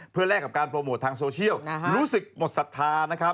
เพื่อแลกกับการโปรโมททางโซเชียลรู้สึกหมดศรัทธานะครับ